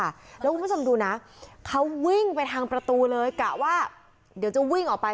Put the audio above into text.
แล้วคุณผู้ชมดูนะเขาวิ่งไปทางประตูเลยกะว่าเดี๋ยวจะวิ่งออกไป